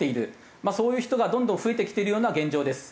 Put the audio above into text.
まあそういう人がどんどん増えてきているような現状です。